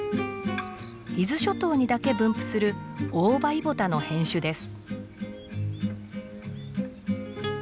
伊豆諸島にだけ分布するオオバイボタの変種です。